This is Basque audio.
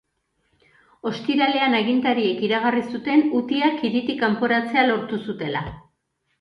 Ostiralean agintariek iragarri zuten hutiak hiritik kanporatzea lortu zutela.